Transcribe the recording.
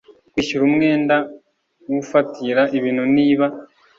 kwishyura umwenda w ufatira ibintu niba